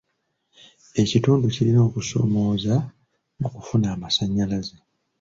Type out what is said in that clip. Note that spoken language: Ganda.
Ekitundu kirina okusoomooza mu kufuna amasannyalaze